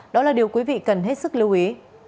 đó là điều quý vị cần hết sức lưu ý